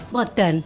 bapak dan ibu